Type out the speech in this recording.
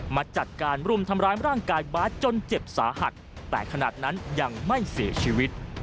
มาจัดการรุมทำร้ายร่างกายบาสจนเจ็บสาหัสแต่ขนาดนั้นยังไม่เสียชีวิต